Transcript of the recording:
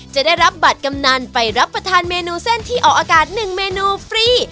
จะได้รับบัตรกำนันไปรับประทานเมนูเส้นที่ออกอากาศ๑เมนูฟรี